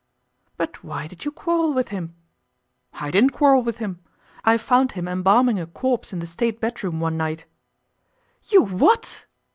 'But why did you quarrel with him?' 'I didn't quarrel with him. I found him embalming a corpse in the State bedroom one night ' 'You what?